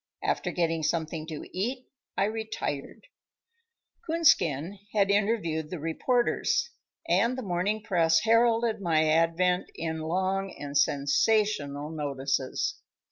After getting something to eat I retired. Coonskin had interviewed the reporters, and the morning press heralded my advent in long and sensational notices.